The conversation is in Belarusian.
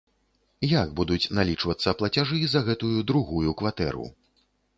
Як будуць налічвацца плацяжы за гэтую другую кватэру?